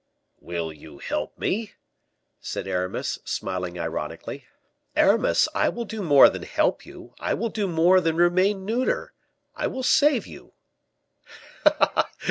"Will you help me?" said Aramis, smiling ironically. "Aramis, I will do more than help you I will do more than remain neuter I will save you."